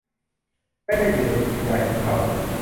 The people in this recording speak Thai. ไม่ได้อยู่ในจิตวิญญาณของเขา ?